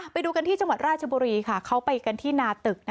ไปดูกันที่จังหวัดราชบุรีค่ะเขาไปกันที่นาตึก